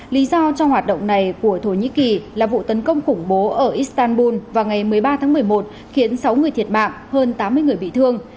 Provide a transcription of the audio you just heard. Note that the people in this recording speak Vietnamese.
lý do trong hoạt động này của thổ nhĩ kỳ là vụ tấn công khủng bố ở istanbul vào ngày một mươi ba tháng một mươi một khiến sáu người thiệt mạng hơn tám mươi người bị thương